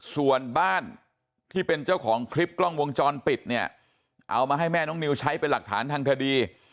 ส่วนบ้านที่เป็นเจ้าของคลิปกล้องวงจรปิดเนี่ยเอามาให้แม่น้องนิวใช้เป็นหลักฐานทางคดี